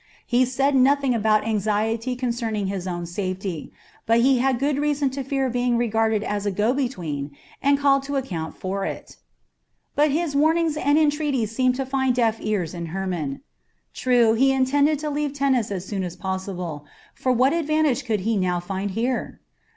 He said nothing about anxiety concerning his own safety, but he had good reason to fear being regarded as a go between and called to account for it. But his warnings and entreaties seemed to find deaf ears in Hermon. True, he intended to leave Tennis as soon as possible, for what advantage could he now find here?